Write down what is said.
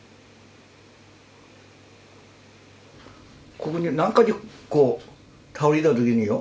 ここになんかでこう倒れたときによ